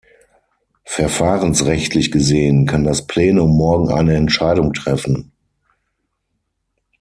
Verfahrensrechtlich gesehen kann das Plenum morgen eine Entscheidung treffen.